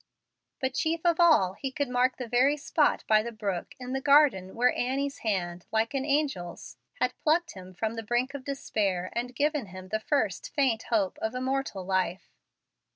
But, chief of all, he could mark the very spot by the brook in the garden where Annie's hand, like an angel's, had plucked him from the brink of despair, and given the first faint hope of immortal life.